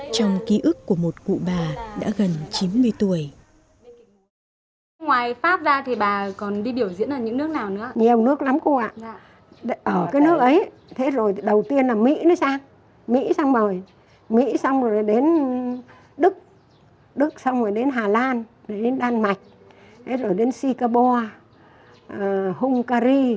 trong ký ức của các bà tổ chức